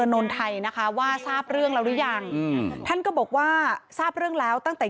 นนไทยนะคะว่าทราบเรื่องแล้วหรือยังอืมท่านก็บอกว่าทราบเรื่องแล้วตั้งแต่